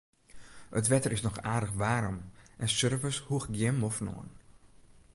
It wetter is noch aardich waarm en surfers hoege gjin moffen oan.